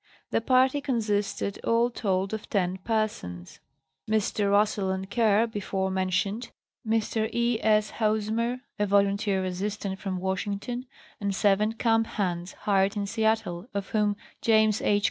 The party consisted all told of ten persons; Messrs. Russell and Kerr before mentioned, Mr. E. 8. Hosmer, a volunteer assistant from Washington, and seven camp hands, hired in Seattle, of whom James H.